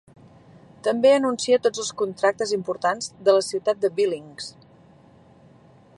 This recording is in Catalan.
També anuncia tots els contractes importants de la ciutat de Billings.